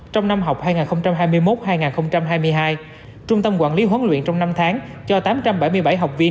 trong năm học hai nghìn hai mươi một hai nghìn hai mươi hai trung tâm quản lý huấn luyện trong năm tháng cho tám trăm bảy mươi bảy học viên